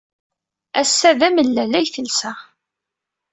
Ass-a, d amellal ay telsa.